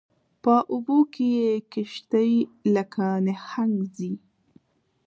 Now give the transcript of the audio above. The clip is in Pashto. په اوبو کې یې کشتۍ لکه نهنګ ځي